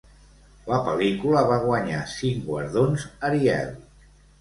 La pel·lícula va guanyar cinc guardons Ariel.